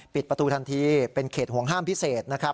ปิดประตูทันทีเป็นเขตห่วงห้ามพิเศษนะครับ